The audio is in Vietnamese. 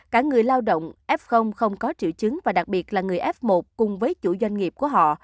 cả người lao động f không có triệu chứng và đặc biệt là người f một cùng với chủ doanh nghiệp của họ